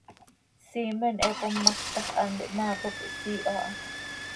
Siimen he pommaxz ta x, hant ihmaa cop ihsiiho aha.